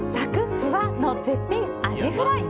ふわ！の絶品アジフライ。